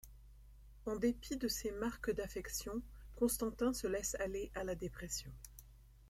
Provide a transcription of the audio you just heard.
En dépit de ces marques d'affection, Constantin se laisse aller à la dépression.